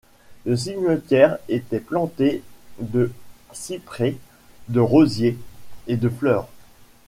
Le cimetière était planté de cyprès, de rosiers et de fleurs.